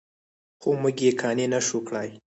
خو موږ یې قانع نه شوو کړی.